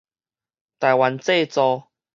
台灣製造